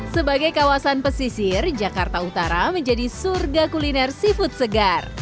sebagai kawasan pesisir jakarta utara menjadi surga kuliner seafood segar